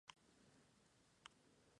El álbum fue producido por Niko Villano.